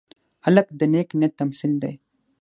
هلک د نیک نیت تمثیل دی.